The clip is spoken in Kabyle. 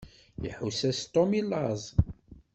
Iḥuss-as Tom i laẓ.